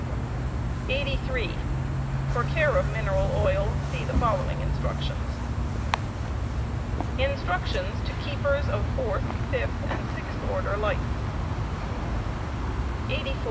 •. 83. For care of mineral oil, see the following insructions: INSTRUCTIONS TO KEEPERS OF FOURTH, FIFTH, 'AND SIXTH ORDER LIGHTS* 84.